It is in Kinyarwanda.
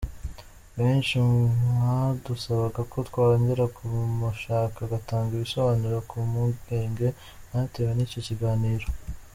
Benshi mwadusabaga ko twongera kumushaka agatanga ibisobanuro ku mpungenge mwatewe n’icyo kiganiro.